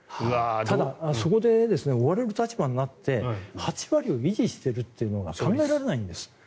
ただ、そこで追われる立場になって８割を維持しているというのが考えられないんです。